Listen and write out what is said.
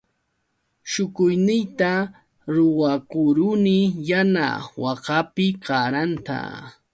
Shukuyniyta ruwakuruni yana wakapi qaranta.